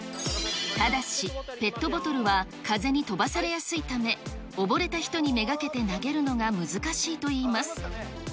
ただし、ペットボトルは風に飛ばされやすいため、溺れた人に目がけて投げるのが難しいといいます。